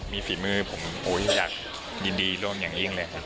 มีฝีมือผมอยากยินดีร่วมอย่างอี้งเลย